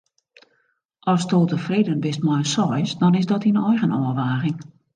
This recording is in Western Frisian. Asto tefreden bist mei in seis, dan is dat dyn eigen ôfwaging.